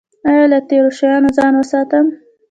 ایا له تیرو شیانو ځان وساتم؟